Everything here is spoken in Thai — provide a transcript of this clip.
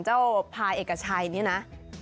เจ้าพลายเอกชัยนี้นะ